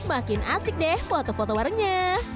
makin asik deh foto foto warungnya